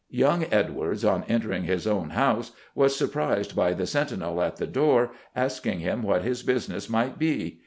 Young Edwards, on entering his own house, was surprised by the sentinel at the door asking him what his business might be.